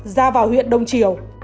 ra vào huyện đông triều